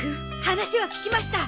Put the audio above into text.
話は聞きました。